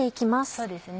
そうですね。